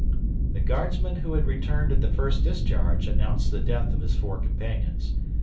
The Guardsman who had returned at the first discharge announced the death of his four companions.